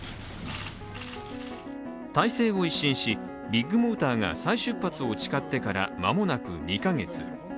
体制を一新し、ビッグモーターが再出発を誓ってからまもなく２か月。